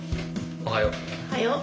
おはよう。